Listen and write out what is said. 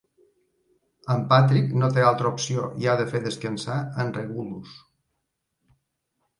En Patrick no té altra opció i ha de fer descansar en Regulus.